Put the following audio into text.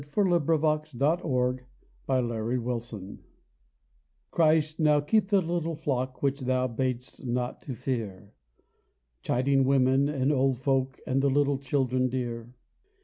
THE LITTLE FLOCK 33 THE LITTLE FLOCK CHRIST, now keep the little flock Which Thou bad'st not to fear : Childing women and old folk And the little children dear.